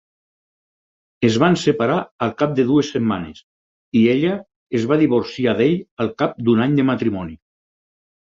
Es van separar al cap de dues setmanes i ella es va divorciar d'ell al cap d'un any de matrimoni.